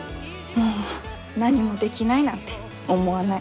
もう何もできないなんて思わない。